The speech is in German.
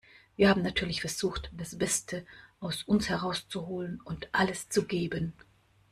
Wir haben natürlich versucht, das Beste aus uns herauszuholen und alles zu geben.